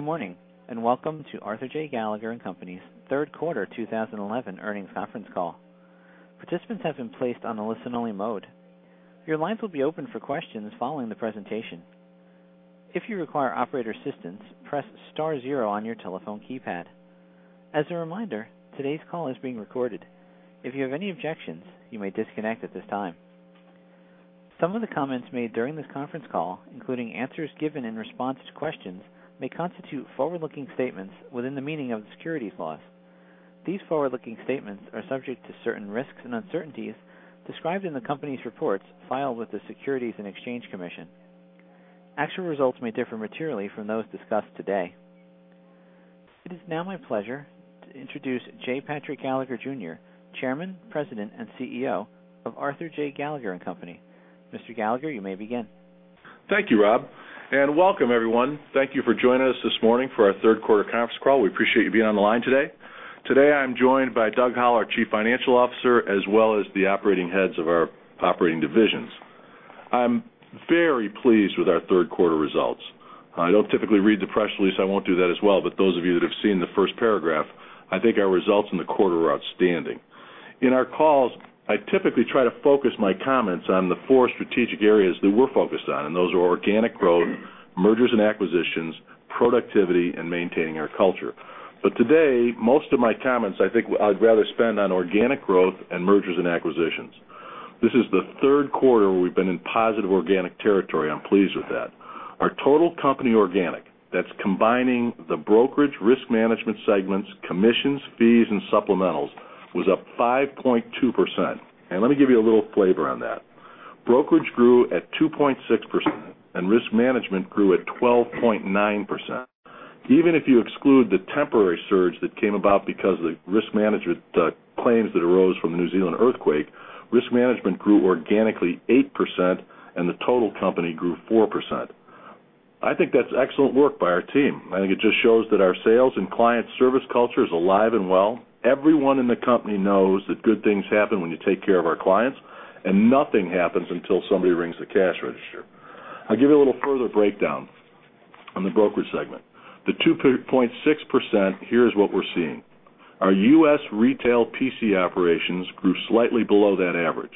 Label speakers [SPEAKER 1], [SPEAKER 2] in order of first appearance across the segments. [SPEAKER 1] Good morning, welcome to Arthur J. Gallagher & Co.'s third quarter 2011 earnings conference call. Participants have been placed on a listen-only mode. Your lines will be open for questions following the presentation. If you require operator assistance, press star zero on your telephone keypad. As a reminder, today's call is being recorded. If you have any objections, you may disconnect at this time. Some of the comments made during this conference call, including answers given in response to questions, may constitute forward-looking statements within the meaning of the securities laws. These forward-looking statements are subject to certain risks and uncertainties described in the company's reports filed with the Securities and Exchange Commission. Actual results may differ materially from those discussed today. It is now my pleasure to introduce J. Patrick Gallagher, Jr., Chairman, President, and CEO of Arthur J. Gallagher & Co. Mr. Gallagher, you may begin.
[SPEAKER 2] Thank you, Bob, welcome everyone. Thank you for joining us this morning for our third quarter conference call. We appreciate you being on the line today. Today, I'm joined by Doug Howell, our Chief Financial Officer, as well as the operating heads of our operating divisions. I'm very pleased with our third quarter results. I don't typically read the press release, so I won't do that as well. Those of you that have seen the first paragraph, I think our results in the quarter are outstanding. In our calls, I typically try to focus my comments on the four strategic areas that we're focused on, those are organic growth, mergers and acquisitions, productivity, and maintaining our culture. Today, most of my comments, I think I'd rather spend on organic growth and mergers and acquisitions. This is the third quarter where we've been in positive organic territory. I'm pleased with that. Our total company organic, that's combining the brokerage risk management segments, commissions, fees, and supplementals, was up 5.2%. Let me give you a little flavor on that. Brokerage grew at 2.6%, risk management grew at 12.9%. Even if you exclude the temporary surge that came about because of the risk management claims that arose from the New Zealand earthquake, risk management grew organically 8%, the total company grew 4%. I think that's excellent work by our team. I think it just shows that our sales and client service culture is alive and well. Everyone in the company knows that good things happen when you take care of our clients, nothing happens until somebody rings the cash register. I'll give you a little further breakdown on the brokerage segment. The 2.6%, here's what we're seeing. Our U.S. retail PC operations grew slightly below that average.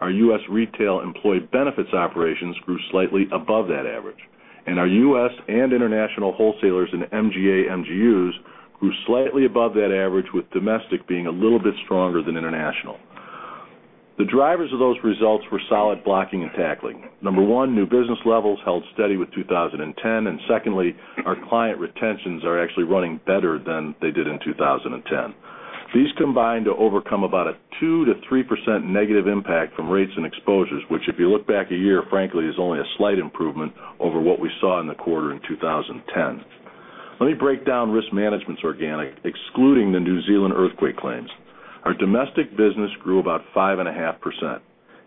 [SPEAKER 2] Our U.S. retail employee benefits operations grew slightly above that average. Our U.S. and international wholesalers in MGA/MGUs grew slightly above that average, with domestic being a little bit stronger than international. The drivers of those results were solid blocking and tackling. Number one, new business levels held steady with 2010, secondly, our client retentions are actually running better than they did in 2010. These combine to overcome about a 2%-3% negative impact from rates and exposures, which, if you look back a year, frankly, is only a slight improvement over what we saw in the quarter in 2010. Let me break down risk management's organic, excluding the New Zealand earthquake claims. Our domestic business grew about 5.5%.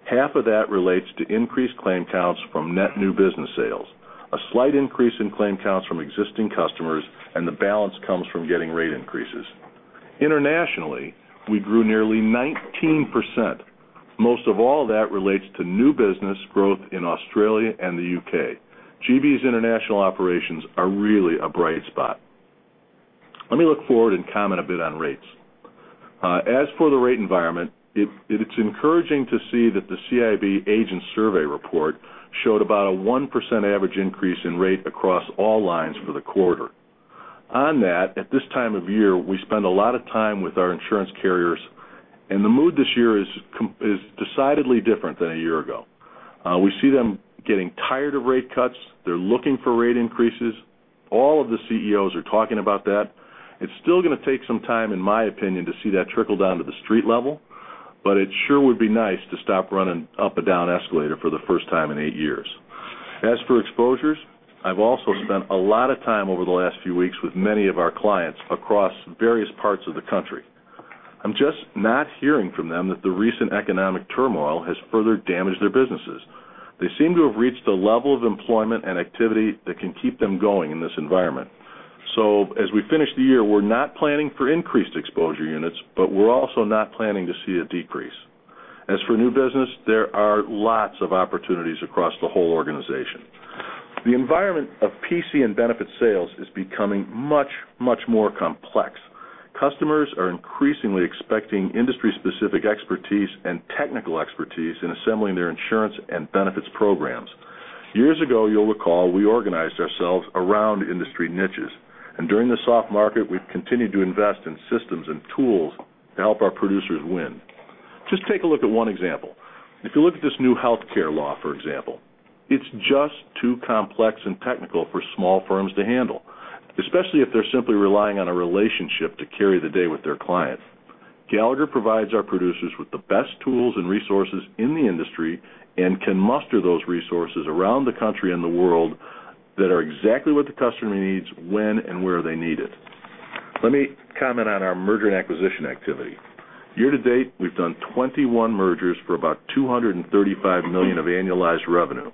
[SPEAKER 2] Half of that relates to increased claim counts from net new business sales, a slight increase in claim counts from existing customers, and the balance comes from getting rate increases. Internationally, we grew nearly 19%. Most of all that relates to new business growth in Australia and the U.K. GB's international operations are really a bright spot. Let me look forward and comment a bit on rates. As for the rate environment, it is encouraging to see that the CIAB Agent Survey Report showed about a 1% average increase in rate across all lines for the quarter. At this time of year, we spend a lot of time with our insurance carriers, and the mood this year is decidedly different than a year ago. We see them getting tired of rate cuts. They're looking for rate increases. All of the CEOs are talking about that. It's still going to take some time, in my opinion, to see that trickle down to the street level, but it sure would be nice to stop running up a down escalator for the first time in eight years. As for exposures, I've also spent a lot of time over the last few weeks with many of our clients across various parts of the country. I'm just not hearing from them that the recent economic turmoil has further damaged their businesses. They seem to have reached a level of employment and activity that can keep them going in this environment. As we finish the year, we're not planning for increased exposure units, but we're also not planning to see a decrease. As for new business, there are lots of opportunities across the whole organization. The environment of PC and benefit sales is becoming much, much more complex. Customers are increasingly expecting industry-specific expertise and technical expertise in assembling their insurance and benefits programs. Years ago, you'll recall we organized ourselves around industry niches, and during the soft market, we've continued to invest in systems and tools to help our producers win. Just take a look at one example. If you look at this new healthcare law, for example, it's just too complex and technical for small firms to handle, especially if they're simply relying on a relationship to carry the day with their client. Gallagher provides our producers with the best tools and resources in the industry and can muster those resources around the country and the world that are exactly what the customer needs when and where they need it. Let me comment on our merger and acquisition activity. Year to date, we've done 21 mergers for about $235 million of annualized revenue.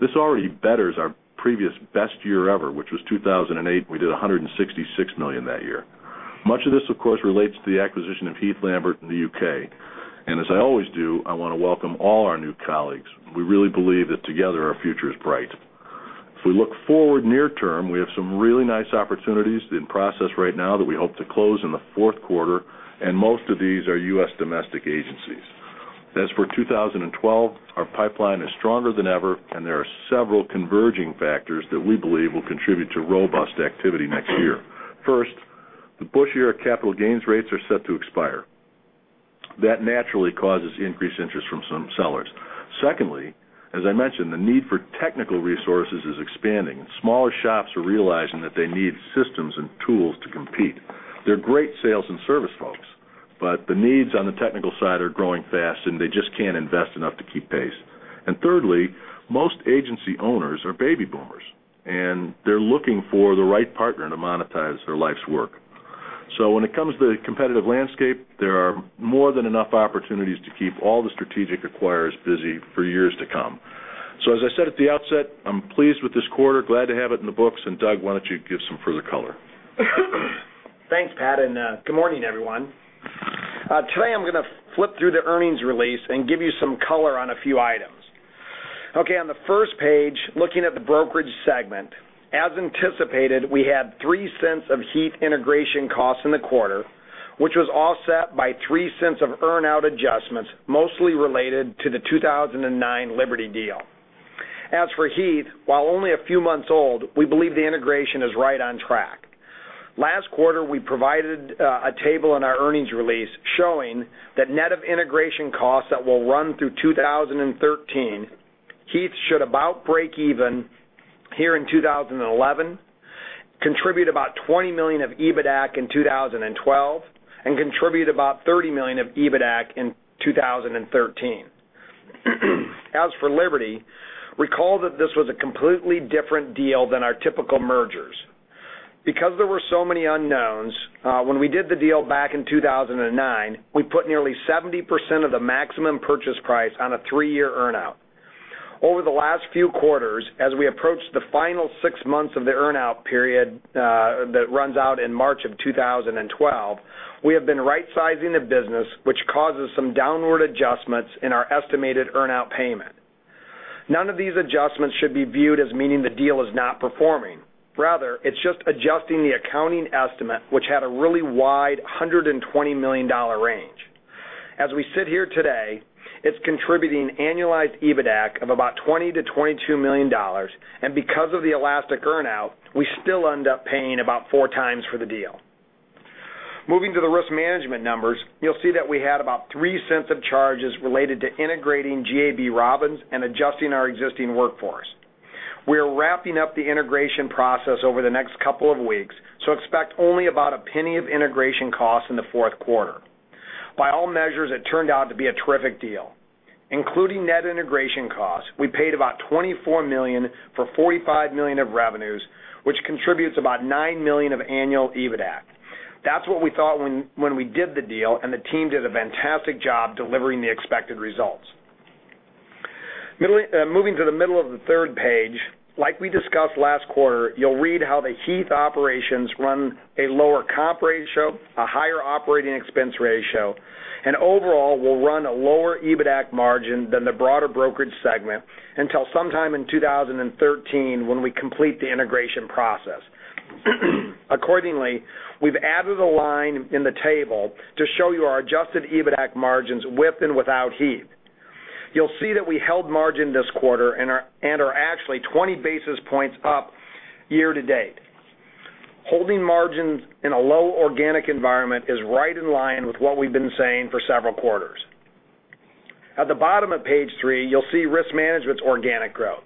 [SPEAKER 2] This already betters our previous best year ever, which was 2008. We did $166 million that year. Much of this, of course, relates to the acquisition of Heath Lambert in the U.K. As I always do, I want to welcome all our new colleagues. We really believe that together our future is bright. If we look forward near term, we have some really nice opportunities in process right now that we hope to close in the fourth quarter, and most of these are U.S. domestic agencies. As for 2012, our pipeline is stronger than ever and there are several converging factors that we believe will contribute to robust activity next year. First, the Bush-era capital gains rates are set to expire. That naturally causes increased interest from some sellers. Secondly, as I mentioned, the need for technical resources is expanding. Smaller shops are realizing that they need systems and tools to compete. They're great sales and service folks, but the needs on the technical side are growing fast, and they just can't invest enough to keep pace. Thirdly, most agency owners are baby boomers, and they're looking for the right partner to monetize their life's work. When it comes to the competitive landscape, there are more than enough opportunities to keep all the strategic acquirers busy for years to come. As I said at the outset, I'm pleased with this quarter, glad to have it in the books. Doug, why don't you give some further color?
[SPEAKER 3] Thanks, Pat, and good morning, everyone. Today I'm going to flip through the earnings release and give you some color on a few items. On the first page, looking at the brokerage segment. As anticipated, we had $0.03 of Heath integration costs in the quarter, which was offset by $0.03 of earn-out adjustments, mostly related to the 2009 Liberty deal. As for Heath, while only a few months old, we believe the integration is right on track. Last quarter, we provided a table in our earnings release showing that net of integration costs that will run through 2013, Heath should about break even here in 2011, contribute about $20 million of EBITAC in 2012, and contribute about $30 million of EBITAC in 2013. As for Liberty, recall that this was a completely different deal than our typical mergers. There were so many unknowns when we did the deal back in 2009, we put nearly 70% of the maximum purchase price on a three-year earn-out. Over the last few quarters, as we approach the final six months of the earn-out period that runs out in March of 2012, we have been right-sizing the business, which causes some downward adjustments in our estimated earn-out payment. None of these adjustments should be viewed as meaning the deal is not performing. Rather, it's just adjusting the accounting estimate, which had a really wide $120 million range. As we sit here today, it's contributing annualized EBITAC of about $20 million-$22 million, and because of the elastic earn-out, we still end up paying about four times for the deal. Moving to the risk management numbers, you'll see that we had about $0.03 of charges related to integrating GAB Robins and adjusting our existing workforce. We are wrapping up the integration process over the next couple of weeks, so expect only about $0.01 of integration costs in the fourth quarter. By all measures, it turned out to be a terrific deal. Including net integration costs, we paid about $24 million for $45 million of revenues, which contributes about $9 million of annual EBITAC. That's what we thought when we did the deal, and the team did a fantastic job delivering the expected results. Moving to the middle of page three, like we discussed last quarter, you'll read how the Heath operations run a lower comp ratio, a higher operating expense ratio, and overall will run a lower EBITAC margin than the broader brokerage segment until sometime in 2013 when we complete the integration process. Accordingly, we've added a line in the table to show you our adjusted EBITAC margins with and without Heath. You'll see that we held margin this quarter and are actually 20 basis points up year to date. Holding margins in a low organic environment is right in line with what we've been saying for several quarters. At the bottom of page three, you'll see risk management's organic growth.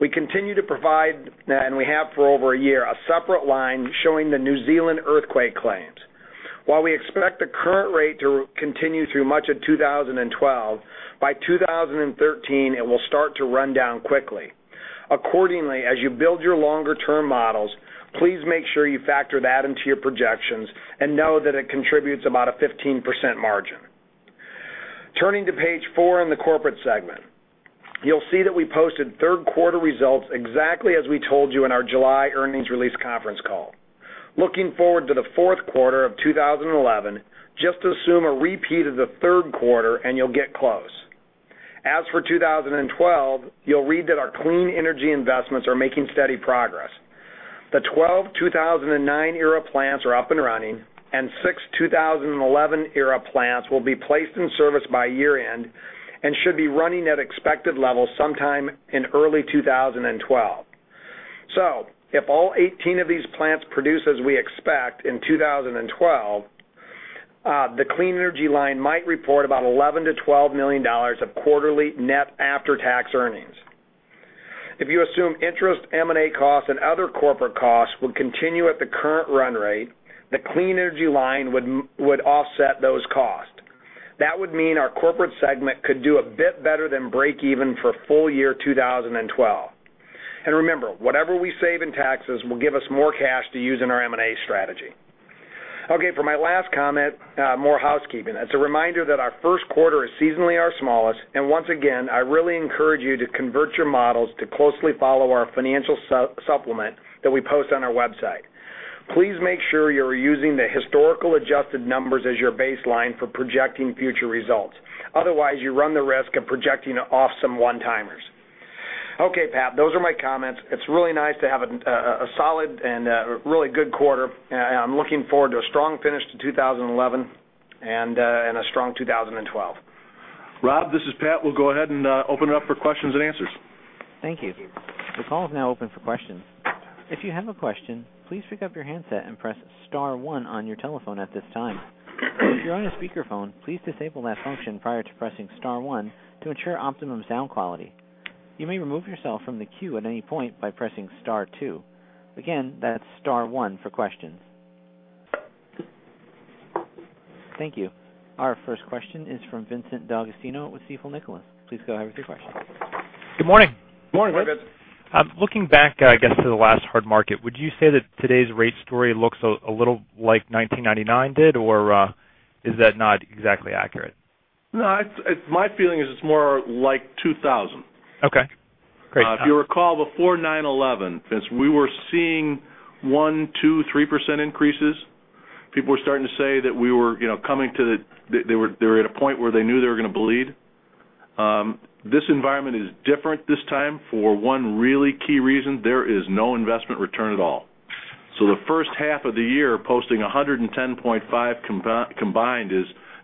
[SPEAKER 3] We continue to provide, and we have for over a year, a separate line showing the New Zealand earthquake claims. While we expect the current rate to continue through much of 2012, by 2013 it will start to run down quickly. Accordingly, as you build your longer term models, please make sure you factor that into your projections and know that it contributes about a 15% margin. Turning to page four in the corporate segment, you'll see that we posted third quarter results exactly as we told you in our July earnings release conference call. Looking forward to the fourth quarter of 2011, just assume a repeat of the third quarter and you'll get close. As for 2012, you'll read that our clean energy investments are making steady progress. The 12 2009 era plants are up and running, and six 2011 era plants will be placed in service by year-end and should be running at expected levels sometime in early 2012. If all 18 of these plants produce as we expect in 2012, the clean energy line might report about $11 million to $12 million of quarterly net after-tax earnings. If you assume interest, M&A costs, and other corporate costs would continue at the current run rate, the clean energy line would offset those costs. That would mean our corporate segment could do a bit better than break even for full year 2012. Remember, whatever we save in taxes will give us more cash to use in our M&A strategy. Okay, for my last comment, more housekeeping. It's a reminder that our first quarter is seasonally our smallest, and once again, I really encourage you to convert your models to closely follow our financial supplement that we post on our website. Please make sure you're using the historical adjusted numbers as your baseline for projecting future results. Otherwise, you run the risk of projecting off some one-timers. Okay, Pat, those are my comments. It's really nice to have a solid and really good quarter. I'm looking forward to a strong finish to 2011 and a strong 2012.
[SPEAKER 2] Rob, this is Pat, we'll go ahead and open it up for questions and answers.
[SPEAKER 1] Thank you. The call is now open for questions. If you have a question, please pick up your handset and press star one on your telephone at this time. If you're on a speakerphone, please disable that function prior to pressing star one to ensure optimum sound quality. You may remove yourself from the queue at any point by pressing star two. Again, that's star one for questions. Thank you. Our first question is from Vincent D'Agostino with Stifel Nicolaus. Please go ahead with your question.
[SPEAKER 4] Good morning.
[SPEAKER 2] Good morning, Vince.
[SPEAKER 4] Looking back, I guess, to the last hard market, would you say that today's rate story looks a little like 1999 did, or is that not exactly accurate?
[SPEAKER 2] No, my feeling is it's more like 2000.
[SPEAKER 4] Okay. Great.
[SPEAKER 2] If you recall, before 9/11, Vince, we were seeing one, two, 3% increases. People were starting to say that they were at a point where they knew they were going to bleed. This environment is different this time for one really key reason. There is no investment return at all. The first half of the year posting 110.5 combined,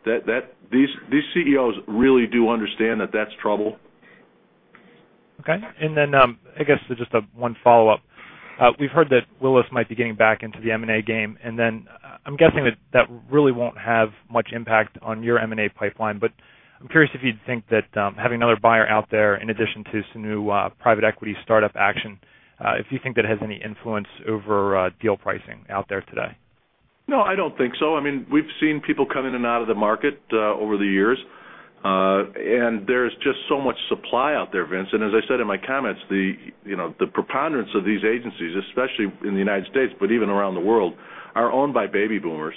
[SPEAKER 2] these CEOs really do understand that that's trouble.
[SPEAKER 4] Okay. I guess, just one follow-up. We've heard that Willis Group Holdings might be getting back into the M&A game. I'm guessing that that really won't have much impact on your M&A pipeline. I'm curious if you think that having another buyer out there in addition to some new private equity startup action, if you think that has any influence over deal pricing out there today.
[SPEAKER 2] No, I don't think so. We've seen people come in and out of the market over the years. There's just so much supply out there, Vincent D'Agostino, and as I said in my comments, the preponderance of these agencies, especially in the U.S., but even around the world, are owned by baby boomers.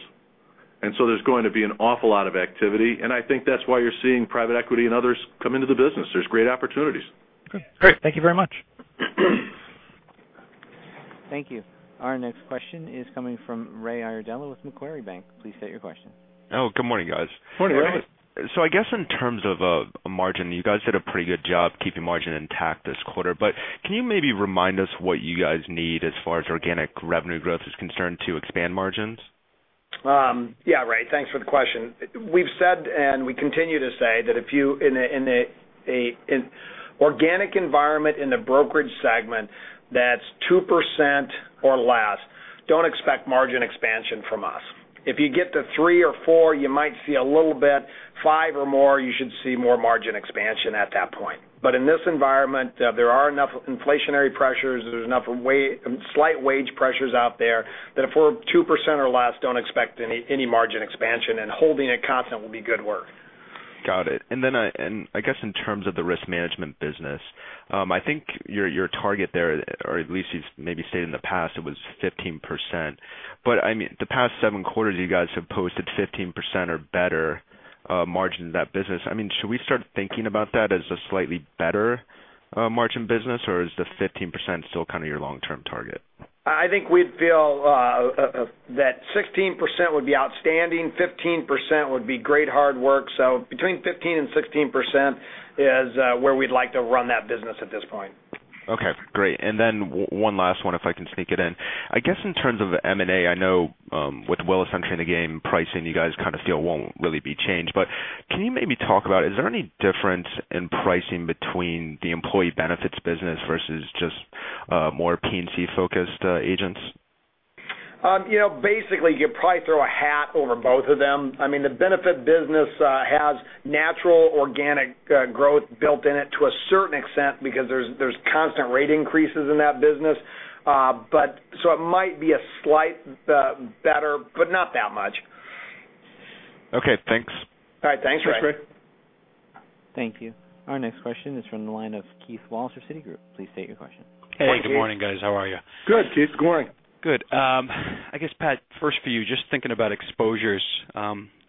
[SPEAKER 2] So there's going to be an awful lot of activity, and I think that's why you're seeing private equity and others come into the business. There's great opportunities.
[SPEAKER 4] Okay.
[SPEAKER 2] Great.
[SPEAKER 4] Thank you very much.
[SPEAKER 1] Thank you. Our next question is coming from Raymond Iardella with Macquarie Bank. Please state your question.
[SPEAKER 5] Good morning, guys.
[SPEAKER 2] Good morning, Ray.
[SPEAKER 5] I guess in terms of margin, you guys did a pretty good job keeping margin intact this quarter, but can you maybe remind us what you guys need as far as organic revenue growth is concerned to expand margins?
[SPEAKER 3] Yeah, Ray. Thanks for the question. We've said, and we continue to say that in organic environment in the brokerage segment that's 2% or less, don't expect margin expansion from us. If you get to three or four, you might see a little bit. Five or more, you should see more margin expansion at that point. In this environment, there are enough inflationary pressures, there's enough slight wage pressures out there, that if we're 2% or less, don't expect any margin expansion, and holding it constant will be good work.
[SPEAKER 5] Got it. I guess in terms of the risk management business, I think your target there, or at least you've maybe stated in the past, it was 15%, but the past seven quarters, you guys have posted 15% or better margin in that business. Should we start thinking about that as a slightly better margin business, or is the 15% still kind of your long-term target?
[SPEAKER 3] I think we'd feel that 16% would be outstanding, 15% would be great hard work. Between 15% and 16% is where we'd like to run that business at this point.
[SPEAKER 5] Okay, great. Then one last one, if I can sneak it in. I guess in terms of M&A, I know with Willis entering the game, pricing, you guys kind of feel won't really be changed, but can you maybe talk about, is there any difference in pricing between the employee benefits business versus just more P&C focused agents?
[SPEAKER 3] Basically, you probably throw a hat over both of them. The benefit business has natural organic growth built in it to a certain extent because there's constant rate increases in that business. It might be a slight better, but not that much.
[SPEAKER 5] Okay, thanks.
[SPEAKER 3] All right. Thanks, Ray.
[SPEAKER 2] Thanks, Ray.
[SPEAKER 1] Thank you. Our next question is from the line of Keith Walsh for Citigroup. Please state your question.
[SPEAKER 6] Hey, good morning, guys. How are you?
[SPEAKER 2] Good, Keith. How's it going?
[SPEAKER 6] Good. I guess, Pat, first for you, just thinking about exposures.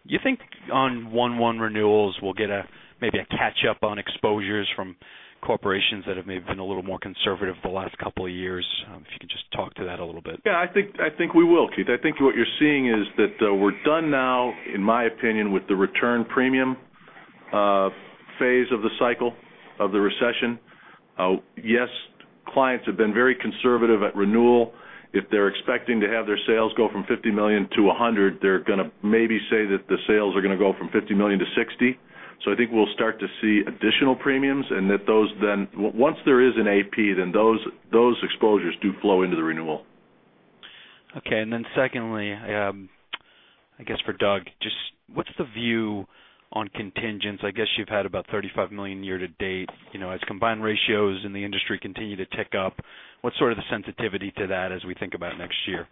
[SPEAKER 6] You think on 1/1 renewals, we'll get maybe a catch up on exposures from corporations that have maybe been a little more conservative the last couple of years? If you could just talk to that a little bit.
[SPEAKER 2] Yeah, I think we will, Keith. I think what you're seeing is that we're done now, in my opinion, with the return premium phase of the cycle of the recession. Yes, clients have been very conservative at renewal. If they're expecting to have their sales go from $50 million to $100, they're going to maybe say that the sales are going to go from $50 million to $60. I think we'll start to see additional premiums, and once there is an AP, then those exposures do flow into the renewal.
[SPEAKER 6] Secondly, I guess for Doug, just what's the view on contingents? I guess you've had about $35 million year to date. As combined ratios in the industry continue to tick up, what's sort of the sensitivity to that as we think about next year?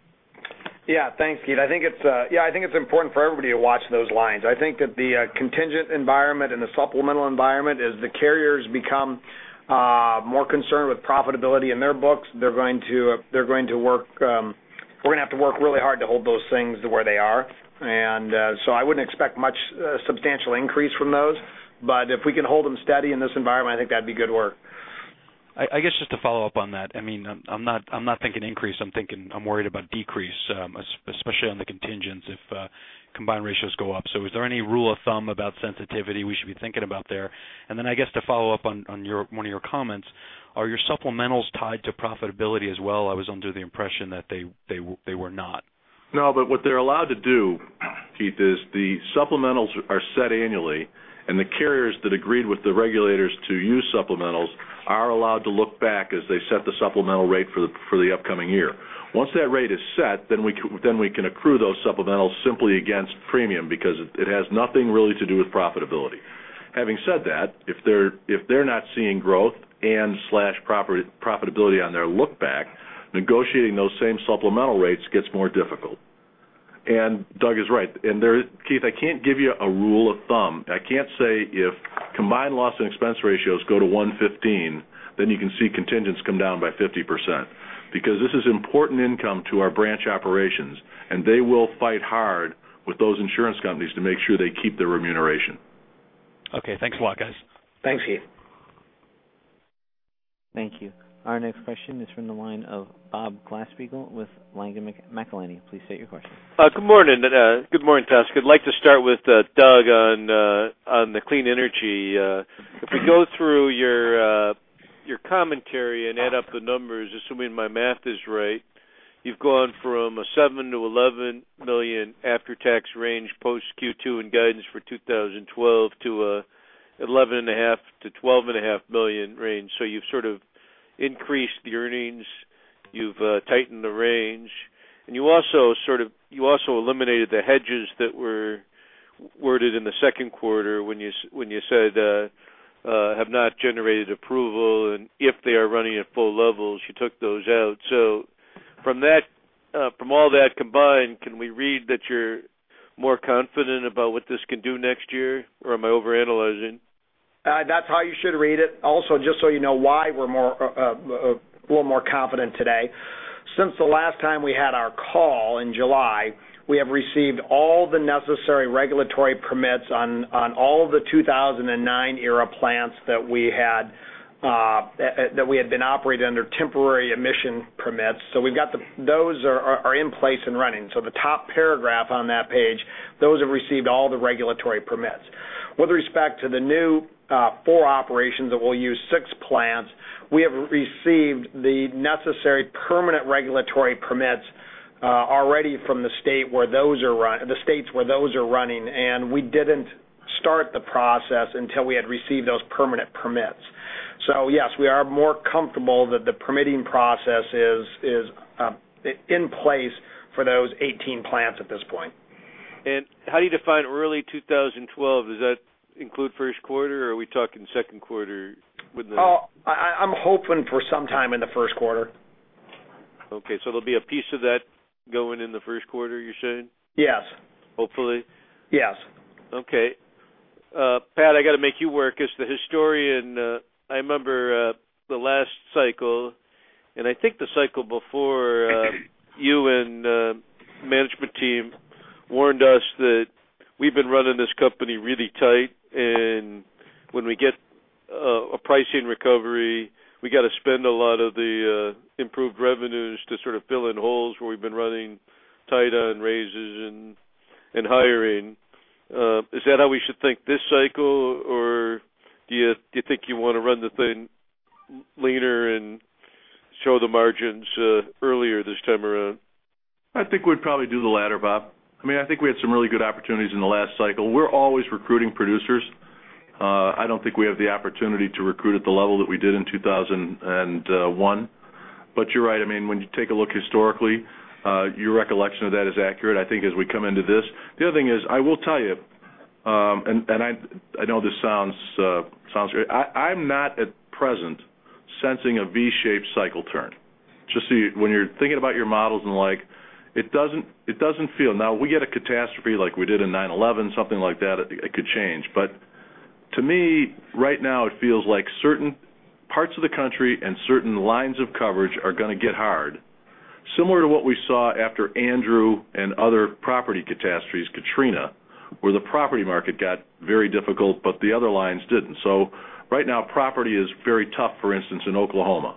[SPEAKER 3] Yeah. Thanks, Keith. I think it's important for everybody to watch those lines. I think the contingent environment and the supplemental environment, as the carriers become more concerned with profitability in their books, we're going to have to work really hard to hold those things to where they are. So I wouldn't expect much substantial increase from those. If we can hold them steady in this environment, I think that'd be good work.
[SPEAKER 6] I guess just to follow up on that. I'm not thinking increase, I'm worried about decrease, especially on the contingents if combined ratios go up. Is there any rule of thumb about sensitivity we should be thinking about there? Then I guess to follow up on one of your comments, are your supplementals tied to profitability as well? I was under the impression that they were not.
[SPEAKER 2] No, what they're allowed to do, Keith, is the supplementals are set annually, the carriers that agreed with the regulators to use supplementals are allowed to look back as they set the supplemental rate for the upcoming year. Once that rate is set, we can accrue those supplementals simply against premium because it has nothing really to do with profitability. Having said that, if they're not seeing growth and/slash profitability on their look back, negotiating those same supplemental rates gets more difficult. Doug is right. Keith, I can't give you a rule of thumb. I can't say if combined loss and expense ratios go to 115, then you can see contingents come down by 50%, because this is important income to our branch operations, they will fight hard with those insurance companies to make sure they keep their remuneration.
[SPEAKER 6] Okay. Thanks a lot, guys.
[SPEAKER 3] Thanks, Keith.
[SPEAKER 1] Thank you. Our next question is from the line of Bob Glasspiegel with Langen McAlenney. Please state your question.
[SPEAKER 7] Good morning. Good morning, Douglas. I'd like to start with Doug on the clean energy. If we go through your commentary and add up the numbers, assuming my math is right, you've gone from a $7 million-$11 million after-tax range post Q2 and guidance for 2012 to a $11.5 million-$12.5 million range. You've sort of increased the earnings. You've tightened the range. You also eliminated the hedges that were worded in the second quarter when you said, have not generated approval, and if they are running at full levels, you took those out. From all that combined, can we read that you're more confident about what this can do next year? Or am I overanalyzing?
[SPEAKER 3] That's how you should read it. Just so you know why we're a little more confident today. Since the last time we had our call in July, we have received all the necessary regulatory permits on all of the 2009 era plants that we had been operating under temporary emission permits. Those are in place and running. The top paragraph on that page, those have received all the regulatory permits. With respect to the new 4 operations that we'll use 6 plants, we have received the necessary permanent regulatory permits already from the states where those are running, and we didn't start the process until we had received those permanent permits. Yes, we are more comfortable that the permitting process is in place for those 18 plants at this point.
[SPEAKER 7] How do you define early 2012? Does that include first quarter?
[SPEAKER 3] I'm hoping for some time in the first quarter.
[SPEAKER 7] There'll be a piece of that going in the first quarter, you're saying?
[SPEAKER 3] Yes.
[SPEAKER 7] Hopefully.
[SPEAKER 3] Yes.
[SPEAKER 7] Okay. Pat, I got to make you work as the historian. I remember the last cycle, and I think the cycle before you and management team warned us that we've been running this company really tight, and when we get a pricing recovery, we got to spend a lot of the improved revenues to sort of fill in holes where we've been running tight on raises and hiring. Is that how we should think this cycle, or do you think you want to run the thing leaner and show the margins earlier this time around?
[SPEAKER 2] I think we'd probably do the latter, Bob. I think we had some really good opportunities in the last cycle. We're always recruiting producers. I don't think we have the opportunity to recruit at the level that we did in 2001. You're right. When you take a look historically, your recollection of that is accurate, I think as we come into this. The other thing is, I will tell you, I know this sounds, I'm not at present sensing a V-shaped cycle turn. Just so you, when you're thinking about your models and like, it doesn't feel. Now if we get a catastrophe like we did in 9/11, something like that, it could change. To me, right now, it feels like certain parts of the country and certain lines of coverage are going to get hard, similar to what we saw after Hurricane Andrew and other property catastrophes, Hurricane Katrina, where the property market got very difficult, but the other lines didn't. Right now, property is very tough, for instance, in Oklahoma.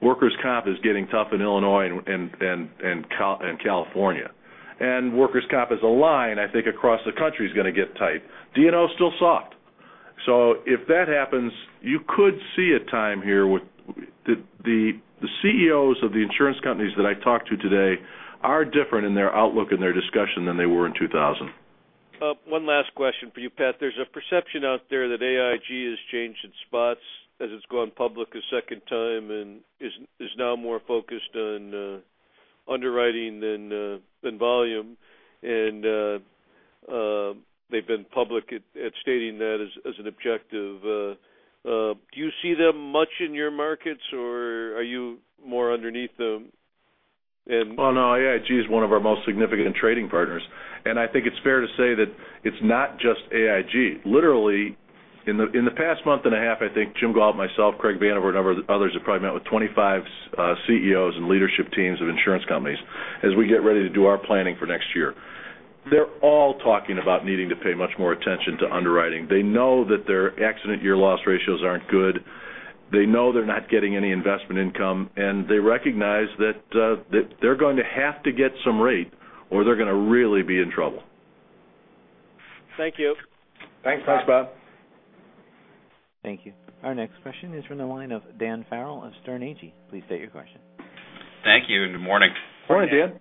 [SPEAKER 2] Workers' comp is getting tough in Illinois and California. Workers' comp as a line, I think across the country is going to get tight. D&O is still soft. If that happens, you could see a time here with the CEOs of the insurance companies that I talked to today are different in their outlook and their discussion than they were in 2000.
[SPEAKER 7] One last question for you, Pat. There's a perception out there that American International Group has changed its spots as it's gone public a second time and is now more focused on underwriting than volume, and they've been public at stating that as an objective. Do you see them much in your markets, or are you more underneath them and-
[SPEAKER 2] Oh, no. AIG is one of our most significant trading partners. I think it's fair to say that it's not just AIG. Literally, in the past month and a half, I think Jim Gault, myself, Craig Vanover, and a number of others have probably met with 25 CEOs and leadership teams of insurance companies as we get ready to do our planning for next year. They're all talking about needing to pay much more attention to underwriting. They know that their accident year loss ratios aren't good. They know they're not getting any investment income, and they recognize that they're going to have to get some rate, or they're going to really be in trouble.
[SPEAKER 7] Thank you.
[SPEAKER 2] Thanks.
[SPEAKER 3] Thanks, Bob.
[SPEAKER 1] Thank you. Our next question is from the line of Dan Farrell of Sterne Agee. Please state your question.
[SPEAKER 8] Thank you, and good morning.
[SPEAKER 2] Morning, Dan.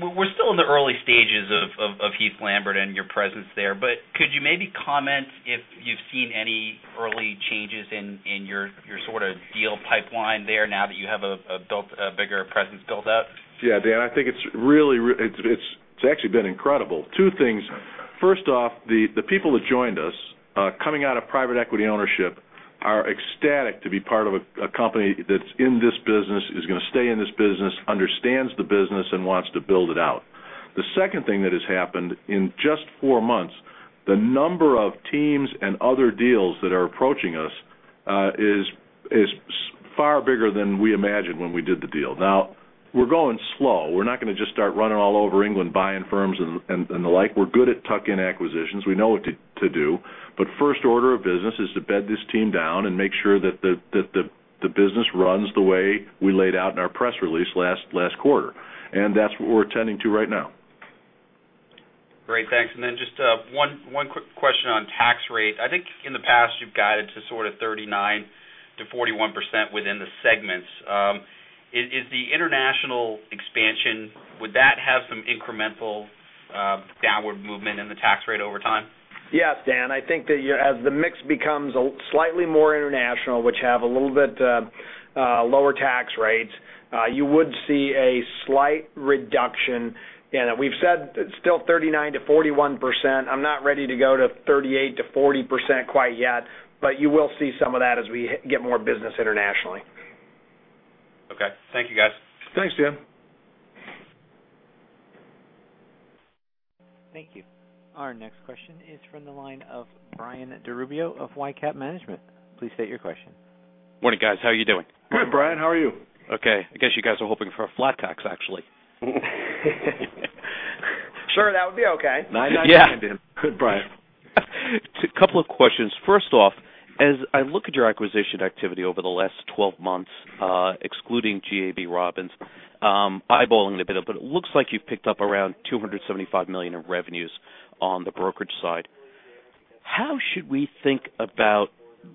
[SPEAKER 8] We're still in the early stages of Heath Lambert and your presence there, but could you maybe comment if you've seen any early changes in your sort of deal pipeline there now that you have a bigger presence built up?
[SPEAKER 2] Yeah, Dan, I think it's actually been incredible. Two things. First off, the people that joined us, coming out of private equity ownership, are ecstatic to be part of a company that's in this business, is going to stay in this business, understands the business, and wants to build it out. The second thing that has happened in just four months, the number of teams and other deals that are approaching us is far bigger than we imagined when we did the deal. Now, we're going slow. We're not going to just start running all over England buying firms and the like. We're good at tuck-in acquisitions. We know what to do. First order of business is to bed this team down and make sure that the business runs the way we laid out in our press release last quarter. That's what we're attending to right now.
[SPEAKER 8] Great. Thanks. Just one quick question on tax rate. I think in the past, you've guided to sort of 39%-41% within the segments. Would that have some incremental downward movement in the tax rate over time?
[SPEAKER 3] Yes, Dan, I think that as the mix becomes slightly more international, which have a little bit lower tax rates, you would see a slight reduction. We've said it's still 39%-41%. I'm not ready to go to 38%-40% quite yet, but you will see some of that as we get more business internationally.
[SPEAKER 8] Okay. Thank you, guys.
[SPEAKER 2] Thanks, Dan.
[SPEAKER 1] Thank you. Our next question is from the line of Brian DiRubbio of ICap Management. Please state your question.
[SPEAKER 9] Morning, guys. How are you doing?
[SPEAKER 2] Good, Brian. How are you?
[SPEAKER 9] Okay. I guess you guys are hoping for a flat tax, actually.
[SPEAKER 3] Sure, that would be okay.
[SPEAKER 2] 9-9-9 Dan. Good, Brian.
[SPEAKER 9] A couple of questions. First off, as I look at your acquisition activity over the last 12 months, excluding GAB Robins, eyeballing the bit of it looks like you've picked up around $275 million of revenues on the brokerage side. How should we think about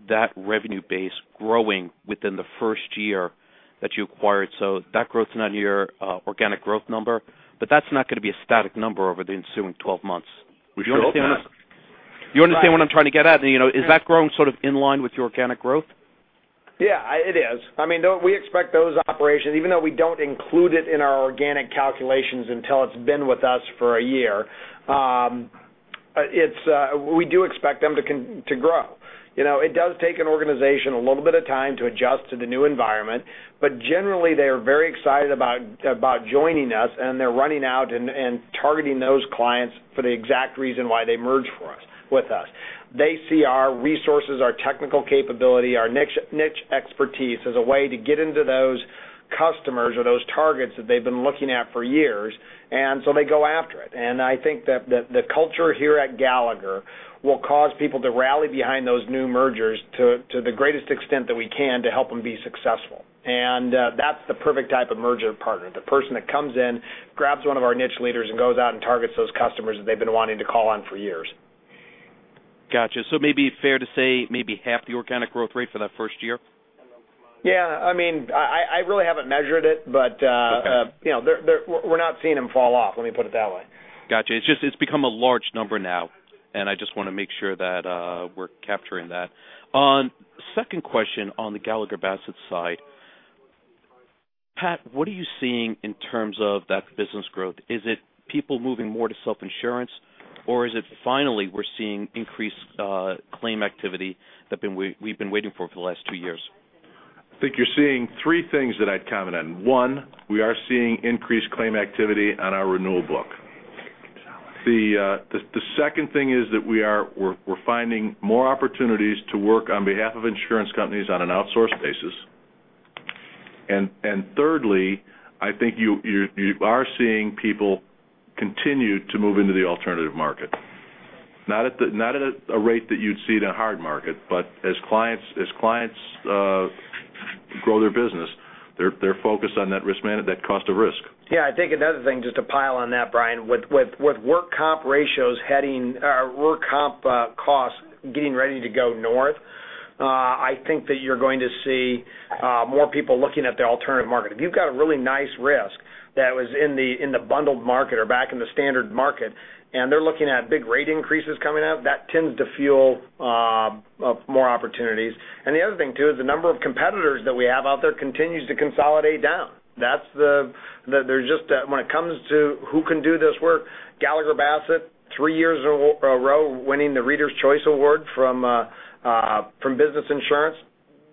[SPEAKER 9] that revenue base growing within the first year that you acquired, so that growth's not your organic growth number, but that's not going to be a static number over the ensuing 12 months.
[SPEAKER 2] We sure hope not.
[SPEAKER 9] You understand what I'm trying to get at? Is that growing sort of in line with your organic growth?
[SPEAKER 3] Yeah, it is. We expect those operations, even though we don't include it in our organic calculations until it's been with us for a year, we do expect them to grow. It does take an organization a little bit of time to adjust to the new environment, but generally, they are very excited about joining us, and they're running out and targeting those clients for the exact reason why they merged with us. They see our resources, our technical capability, our niche expertise as a way to get into those customers or those targets that they've been looking at for years. They go after it. I think that the culture here at Gallagher will cause people to rally behind those new mergers to the greatest extent that we can to help them be successful. That's the perfect type of merger partner. The person that comes in, grabs one of our niche leaders, and goes out and targets those customers that they've been wanting to call on for years.
[SPEAKER 9] Got you. Maybe fair to say maybe half the organic growth rate for that first year?
[SPEAKER 3] Yeah, I really haven't measured it.
[SPEAKER 9] Okay
[SPEAKER 3] We're not seeing them fall off, let me put it that way.
[SPEAKER 9] Got you. It's become a large number now. I just want to make sure that we're capturing that. On second question on the Gallagher Bassett side, Pat, what are you seeing in terms of that business growth? Is it people moving more to self-insurance, or is it finally we're seeing increased claim activity that we've been waiting for for the last two years?
[SPEAKER 2] I think you're seeing three things that I'd comment on. One, we are seeing increased claim activity on our renewal book. The second thing is that we're finding more opportunities to work on behalf of insurance companies on an outsourced basis. Thirdly, I think you are seeing people continue to move into the alternative market. Not at a rate that you'd see in a hard market, but as clients grow their business, they're focused on that cost of risk.
[SPEAKER 3] Yeah, I think another thing, just to pile on that, Brian, with work comp costs getting ready to go north, I think that you're going to see more people looking at the alternative market. If you've got a really nice risk that was in the bundled market or back in the standard market, and they're looking at big rate increases coming up, that tends to fuel more opportunities. The other thing, too, is the number of competitors that we have out there continues to consolidate down. When it comes to who can do this work, Gallagher Bassett, three years in a row winning the Readers Choice Award from Business Insurance.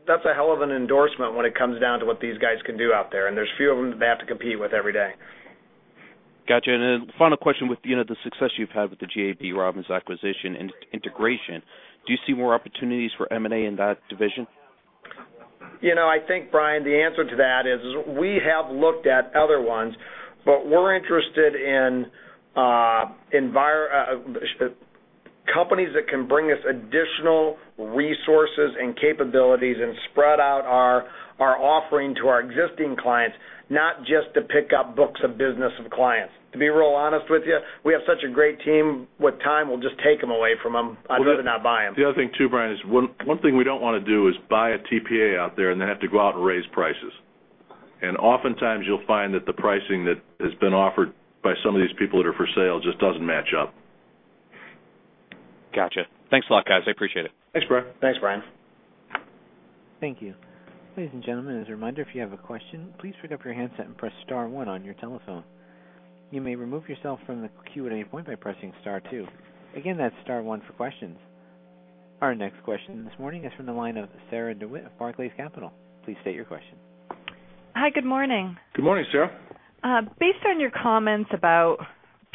[SPEAKER 3] That's a hell of an endorsement when it comes down to what these guys can do out there, and there's few of them they have to compete with every day.
[SPEAKER 9] Got you. Final question with the success you've had with the GAB Robins acquisition integration, do you see more opportunities for M&A in that division?
[SPEAKER 3] I think, Brian, the answer to that is we have looked at other ones, but we're interested in companies that can bring us additional resources and capabilities and spread out our offering to our existing clients, not just to pick up books of business of clients. To be real honest with you, we have such a great team, with time, we'll just take them away from them. I'd rather not buy them.
[SPEAKER 2] The other thing too, Brian, is one thing we don't want to do is buy a TPA out there and then have to go out and raise prices. Oftentimes you'll find that the pricing that has been offered by some of these people that are for sale just doesn't match up.
[SPEAKER 9] Got you. Thanks a lot, guys. I appreciate it.
[SPEAKER 2] Thanks, Brian.
[SPEAKER 3] Thanks, Brian.
[SPEAKER 1] Thank you. Ladies and gentlemen, as a reminder, if you have a question, please pick up your handset and press star one on your telephone. You may remove yourself from the queue at any point by pressing star two. Again, that's star one for questions. Our next question this morning is from the line of Sarah DeWitt of Barclays Capital. Please state your question.
[SPEAKER 10] Hi. Good morning.
[SPEAKER 2] Good morning, Sarah.
[SPEAKER 10] Based on your comments about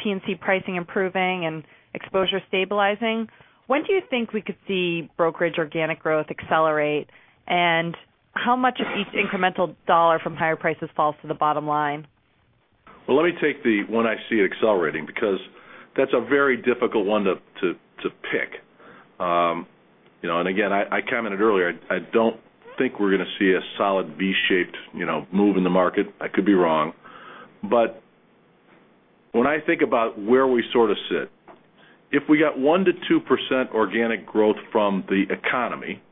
[SPEAKER 10] P&C pricing improving and exposure stabilizing, when do you think we could see brokerage organic growth accelerate, and how much of each incremental dollar from higher prices falls to the bottom line?
[SPEAKER 2] Well, let me take the when I see it accelerating, because that's a very difficult one to pick. Again, I commented earlier, I don't think we're going to see a solid V-shaped move in the market. I could be wrong. When I think about where we sort of sit, if we got 1%-2% organic growth from the economy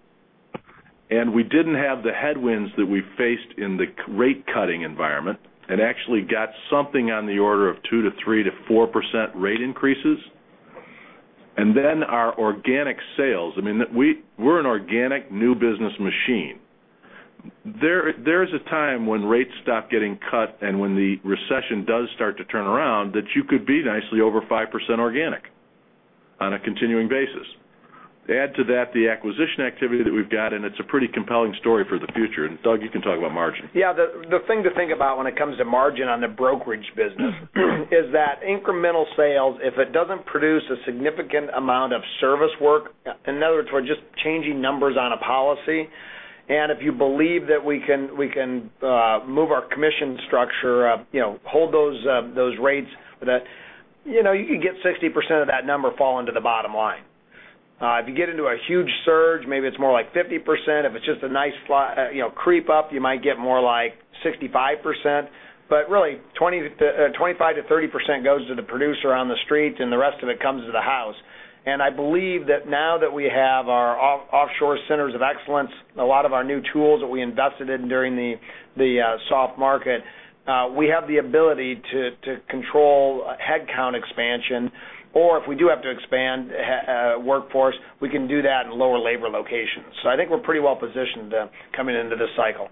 [SPEAKER 2] and we didn't have the headwinds that we faced in the rate cutting environment and actually got something on the order of 2%-3% to 4% rate increases, then our organic sales, we're an organic new business machine. There is a time when rates stop getting cut and when the recession does start to turn around, that you could be nicely over 5% organic on a continuing basis. Add to that the acquisition activity that we've got, it's a pretty compelling story for the future. Doug, you can talk about margin.
[SPEAKER 3] Yeah, the thing to think about when it comes to margin on the brokerage business is that incremental sales, if it doesn't produce a significant amount of service work, in other words, we're just changing numbers on a policy, if you believe that we can move our commission structure, hold those rates, you could get 60% of that number fall into the bottom line. If you get into a huge surge, maybe it's more like 50%. If it's just a nice creep up, you might get more like 65%, but really 25%-30% goes to the producer on the street, and the rest of it comes to the house. I believe that now that we have our offshore centers of excellence, a lot of our new tools that we invested in during the soft market, we have the ability to control headcount expansion, or if we do have to expand workforce, we can do that in lower labor locations. I think we're pretty well positioned coming into this cycle.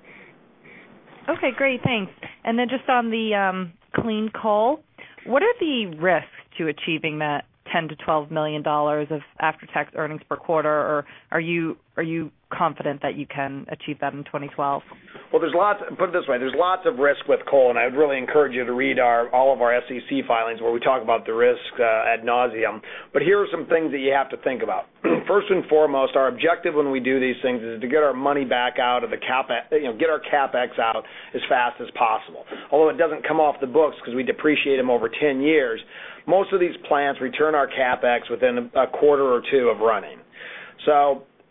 [SPEAKER 10] Okay, great. Thanks. Just on the clean coal, what are the risks to achieving that $10 million-$12 million of after-tax earnings per quarter, or are you confident that you can achieve that in 2012?
[SPEAKER 3] Put it this way, there's lots of risk with coal, I would really encourage you to read all of our SEC filings where we talk about the risk at nauseam. Here are some things that you have to think about. First and foremost, our objective when we do these things is to get our money back out of the capex, get our capex out as fast as possible. Although it doesn't come off the books because we depreciate them over 10 years, most of these plants return our capex within a quarter or two of running.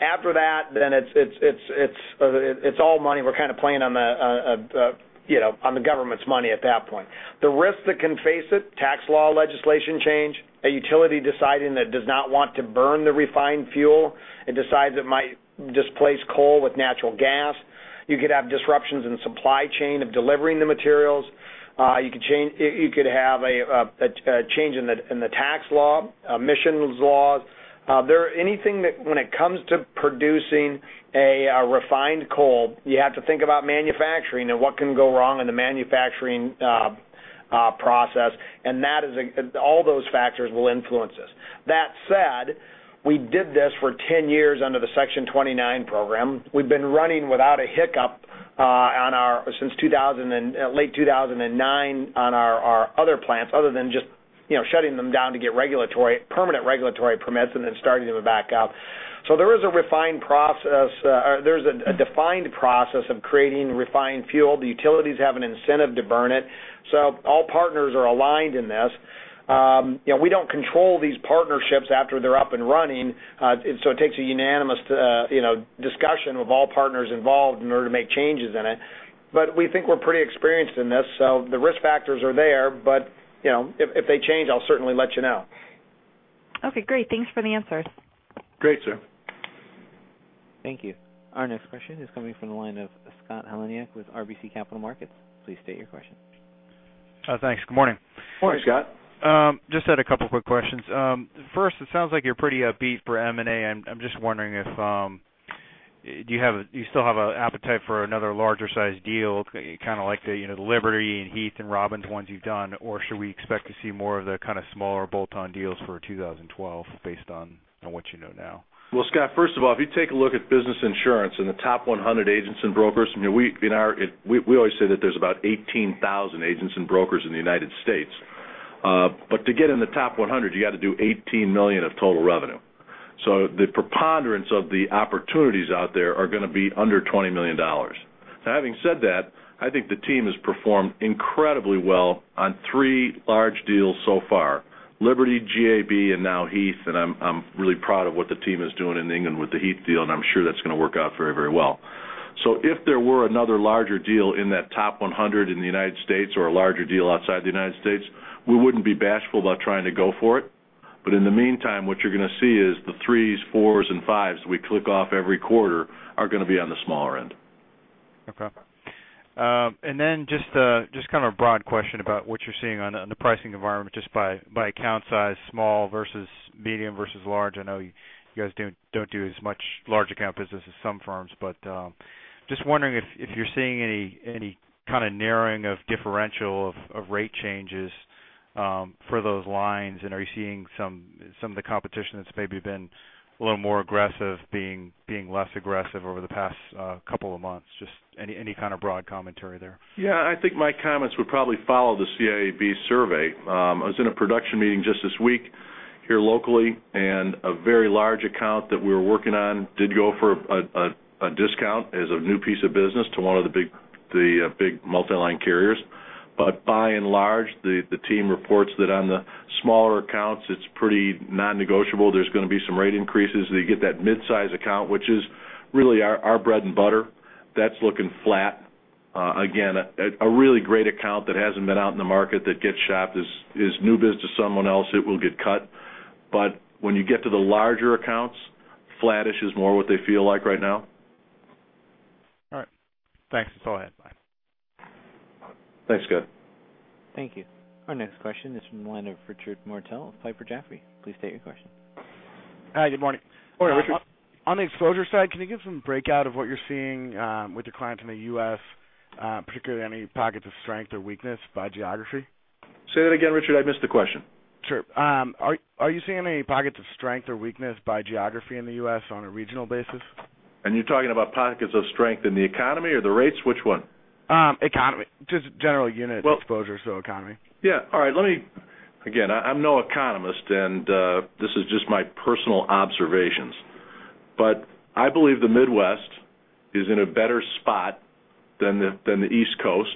[SPEAKER 3] After that, then it's all money. We're kind of playing on the government's money at that point. The risks that can face it, tax law legislation change, a utility deciding that it does not want to burn the refined fuel and decides it might displace coal with natural gas. You could have disruptions in supply chain of delivering the materials. You could have a change in the tax law, emissions laws. When it comes to producing a refined coal, you have to think about manufacturing and what can go wrong in the manufacturing process, and all those factors will influence us. That said, we did this for 10 years under the Section 29 program. We've been running without a hiccup since late 2009 on our other plants, other than just shutting them down to get permanent regulatory permits and then starting them back up. There is a defined process of creating refined fuel. The utilities have an incentive to burn it. All partners are aligned in this. We don't control these partnerships after they're up and running. It takes a unanimous discussion with all partners involved in order to make changes in it. We think we're pretty experienced in this. The risk factors are there, but if they change, I'll certainly let you know.
[SPEAKER 10] Okay, great. Thanks for the answers.
[SPEAKER 2] Great, Sarah.
[SPEAKER 1] Thank you. Our next question is coming from the line of Scott Heleniak with RBC Capital Markets. Please state your question.
[SPEAKER 11] Thanks. Good morning.
[SPEAKER 2] Morning, Scott.
[SPEAKER 11] Just had a couple quick questions. First, it sounds like you're pretty upbeat for M&A. I'm just wondering if, do you still have an appetite for another larger sized deal, kind of like the Liberty and Heath and GAB Robins ones you've done, or should we expect to see more of the kind of smaller bolt-on deals for 2012 based on what you know now?
[SPEAKER 2] Well, Scott, first of all, if you take a look at Business Insurance and the top 100 agents and brokers, we always say that there's about 18,000 agents and brokers in the United States. To get in the top 100, you got to do $18 million of total revenue. The preponderance of the opportunities out there are going to be under $20 million. Having said that, I think the team has performed incredibly well on three large deals so far, Liberty, GAB, and now Heath. I'm really proud of what the team is doing in England with the Heath deal, and I'm sure that's going to work out very well. If there were another larger deal in that top 100 in the United States or a larger deal outside the United States, we wouldn't be bashful about trying to go for it. In the meantime, what you're going to see is the threes, fours, and fives we click off every quarter are going to be on the smaller end.
[SPEAKER 11] Okay. Just kind of a broad question about what you're seeing on the pricing environment, just by account size, small versus medium versus large. I know you guys don't do as much large account business as some firms, but just wondering if you're seeing any kind of narrowing of differential of rate changes for those lines, and are you seeing some of the competition that's maybe been a little more aggressive, being less aggressive over the past couple of months? Just any kind of broad commentary there.
[SPEAKER 2] Yeah, I think my comments would probably follow the CIAB survey. I was in a production meeting just this week here locally, a very large account that we were working on did go for a discount as a new piece of business to one of the big multi-line carriers. By and large, the team reports that on the smaller accounts, it's pretty non-negotiable. There's going to be some rate increases. You get that mid-size account, which is really our bread and butter. That's looking flat. Again, a really great account that hasn't been out in the market that gets shopped is new business to someone else, it will get cut. When you get to the larger accounts, flattish is more what they feel like right now.
[SPEAKER 11] All right. Thanks. That's all I have. Bye.
[SPEAKER 2] Thanks, Scott.
[SPEAKER 1] Thank you. Our next question is from the line of Richard D'Addario of Piper Jaffray. Please state your question.
[SPEAKER 12] Hi. Good morning.
[SPEAKER 2] Good morning, Richard.
[SPEAKER 12] On the exposure side, can you give some breakout of what you're seeing with your clients in the U.S., particularly any pockets of strength or weakness by geography?
[SPEAKER 2] Say that again, Richard, I missed the question.
[SPEAKER 12] Sure. Are you seeing any pockets of strength or weakness by geography in the U.S. on a regional basis?
[SPEAKER 2] You're talking about pockets of strength in the economy or the rates? Which one?
[SPEAKER 12] Economy. Just general unit exposure to economy.
[SPEAKER 2] Yeah. All right. I'm no economist, and this is just my personal observations, but I believe the Midwest is in a better spot than the East Coast.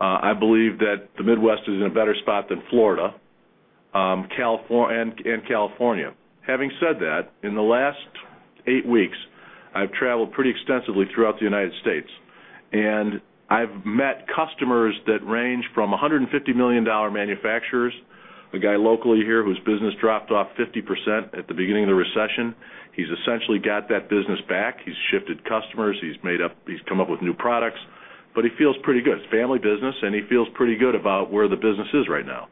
[SPEAKER 2] I believe that the Midwest is in a better spot than Florida and California. Having said that, in the last eight weeks, I've traveled pretty extensively throughout the U.S., and I've met customers that range from $150 million manufacturers. A guy locally here whose business dropped off 50% at the beginning of the recession, he's essentially got that business back. He's shifted customers. He's come up with new products. He feels pretty good. It's a family business. He feels pretty good about where the business is right now.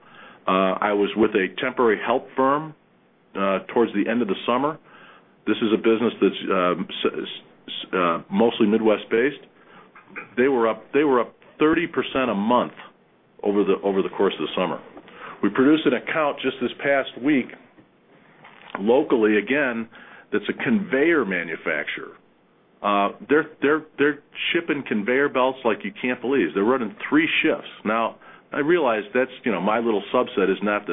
[SPEAKER 2] I was with a temporary help firm towards the end of the summer. This is a business that's mostly Midwest based. They were up 30% a month over the course of the summer. We produced an account just this past week, locally, again, that's a conveyor manufacturer. They're shipping conveyor belts like you can't believe. They're running three shifts. I realize my little subset is not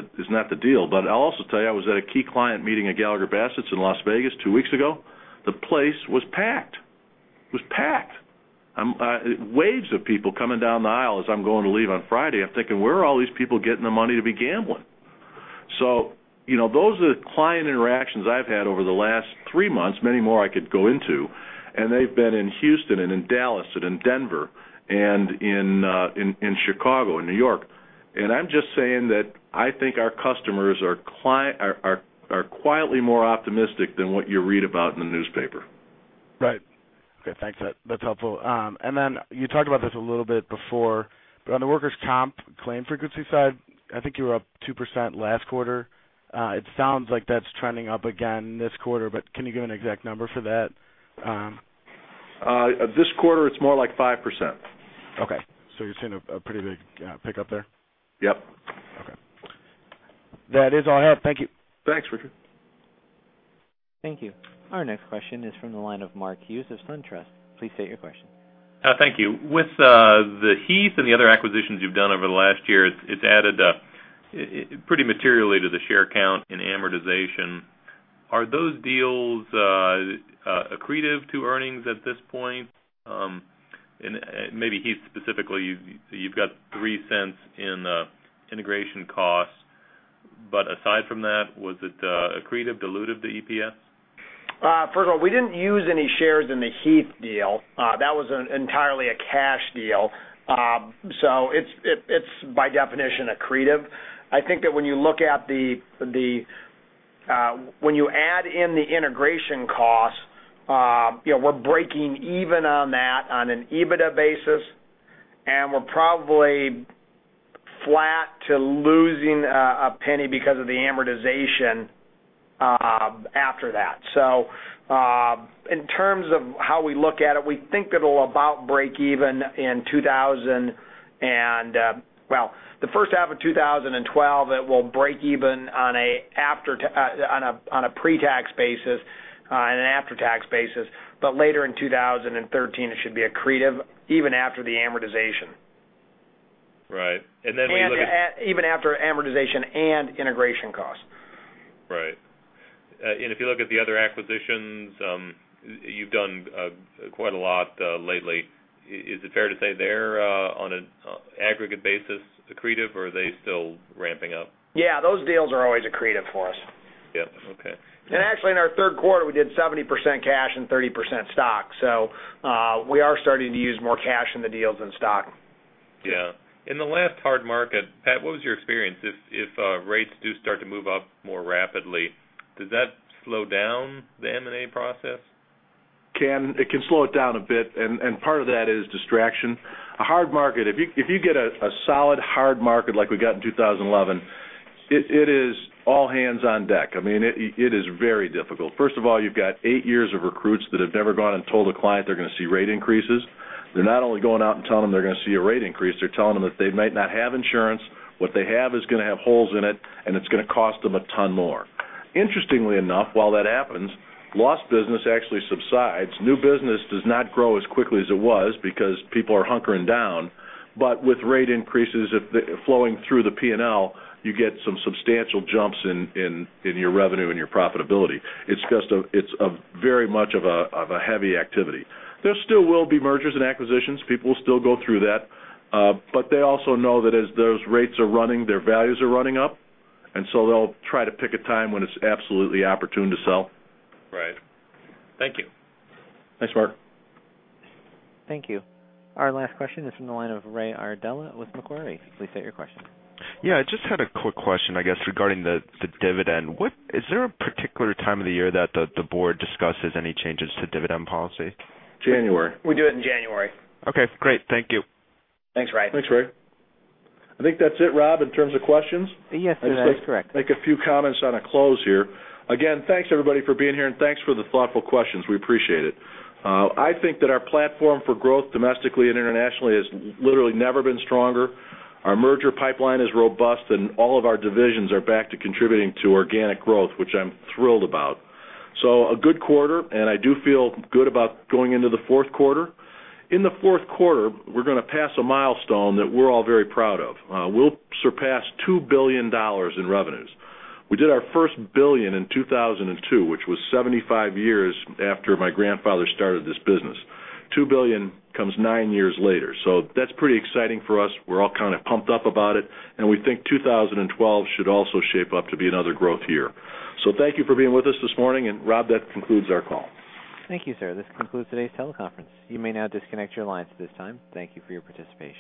[SPEAKER 2] the deal, but I'll also tell you, I was at a key client meeting at Gallagher Bassett in Las Vegas two weeks ago. The place was packed. It was packed. Waves of people coming down the aisle as I'm going to leave on Friday. I'm thinking, where are all these people getting the money to be gambling? Those are the client interactions I've had over the last three months, many more I could go into, and they've been in Houston and in Dallas and in Denver and in Chicago and New York. I'm just saying that I think our customers are quietly more optimistic than what you read about in the newspaper.
[SPEAKER 12] Right. Okay, thanks. That's helpful. You talked about this a little bit before, but on the workers' comp claim frequency side, I think you were up 2% last quarter. It sounds like that's trending up again this quarter, but can you give an exact number for that?
[SPEAKER 2] This quarter, it's more like 5%.
[SPEAKER 12] Okay. You're seeing a pretty big pick up there?
[SPEAKER 2] Yep.
[SPEAKER 12] Okay. That is all I have. Thank you.
[SPEAKER 2] Thanks, Richard.
[SPEAKER 1] Thank you. Our next question is from the line of Mark Hughes of SunTrust. Please state your question.
[SPEAKER 13] Thank you. With the Heath and the other acquisitions you've done over the last year, it's added pretty materially to the share count in amortization. Are those deals accretive to earnings at this point? Maybe Heath specifically, you've got $0.03 in integration costs. Aside from that, was it accretive, dilutive to EPS?
[SPEAKER 2] First of all, we didn't use any shares in the Heath deal. That was entirely a cash deal. It's by definition, accretive. I think that when you add in the integration cost, we're breaking even on that on an EBITDA basis, and we're probably flat to losing $0.01 because of the amortization after that. In terms of how we look at it, we think it'll about break even in the first half of 2012, it will break even on a pre-tax basis and an after-tax basis. Later in 2013, it should be accretive even after the amortization.
[SPEAKER 13] Right. We look at
[SPEAKER 3] Even after amortization and integration costs.
[SPEAKER 13] Right. If you look at the other acquisitions, you've done quite a lot lately. Is it fair to say they're on an aggregate basis accretive, or are they still ramping up?
[SPEAKER 3] Yeah, those deals are always accretive for us.
[SPEAKER 13] Yeah. Okay.
[SPEAKER 3] Actually, in our third quarter, we did 70% cash and 30% stock, so we are starting to use more cash in the deals than stock.
[SPEAKER 13] Yeah. In the last hard market, Pat, what was your experience? If rates do start to move up more rapidly, does that slow down the M&A process?
[SPEAKER 2] It can slow it down a bit. Part of that is distraction. A hard market, if you get a solid, hard market like we got in 2011, it is all hands on deck. It is very difficult. First of all, you've got eight years of recruits that have never gone and told a client they're going to see rate increases. They're not only going out and telling them they're going to see a rate increase, they're telling them that they might not have insurance, what they have is going to have holes in it, and it's going to cost them a ton more. Interestingly enough, while that happens, lost business actually subsides. New business does not grow as quickly as it was because people are hunkering down. With rate increases flowing through the P&L, you get some substantial jumps in your revenue and your profitability. It's very much of a heavy activity. There still will be mergers and acquisitions. People will still go through that. They also know that as those rates are running, their values are running up, they'll try to pick a time when it's absolutely opportune to sell.
[SPEAKER 13] Right. Thank you.
[SPEAKER 2] Thanks, Mark.
[SPEAKER 1] Thank you. Our last question is from the line of Ray Iardella with Macquarie. Please state your question.
[SPEAKER 5] Yeah, I just had a quick question, I guess, regarding the dividend. Is there a particular time of the year that the board discusses any changes to dividend policy?
[SPEAKER 2] January.
[SPEAKER 3] We do it in January.
[SPEAKER 5] Okay, great. Thank you.
[SPEAKER 3] Thanks, Ray.
[SPEAKER 2] Thanks, Ray. I think that's it, Rob, in terms of questions.
[SPEAKER 1] Yes, sir. That is correct.
[SPEAKER 2] Thanks everybody for being here, and thanks for the thoughtful questions. We appreciate it. I think that our platform for growth domestically and internationally has literally never been stronger. Our merger pipeline is robust, and all of our divisions are back to contributing to organic growth, which I'm thrilled about. A good quarter, and I do feel good about going into the fourth quarter. In the fourth quarter, we're going to pass a milestone that we're all very proud of. We'll surpass $2 billion in revenues. We did our first billion in 2002, which was 75 years after my grandfather started this business. 2 billion comes nine years later. That's pretty exciting for us. We're all kind of pumped up about it, and we think 2012 should also shape up to be another growth year. Thank you for being with us this morning. Rob, that concludes our call.
[SPEAKER 1] Thank you, sir. This concludes today's teleconference. You may now disconnect your lines at this time. Thank you for your participation